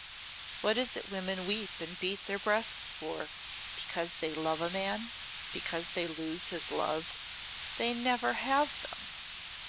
What is it women weep and beat their breasts for because they love a man because they lose his love. They never have them."